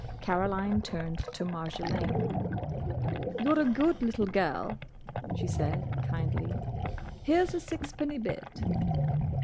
Caroline turned to Marjolaine. "You're a good little girl," she said, kindly. "Here's a six penny bit."